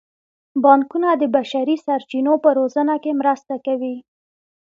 بانکونه د بشري سرچینو په روزنه کې مرسته کوي.